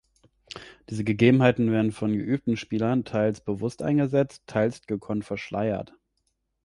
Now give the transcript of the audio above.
Diese Gegebenheiten werden von geübten Spielern teils bewusst eingesetzt, teils gekonnt verschleiert.